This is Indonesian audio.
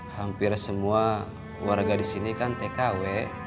hampir semua warga di sini kan tkw